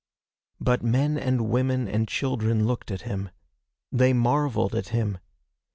But men and women and children looked at him. They marveled at him.